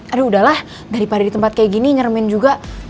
aduh udahlah daripada di tempat kayak gini nyeremen juga